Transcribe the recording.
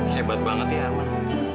kebat banget ya arman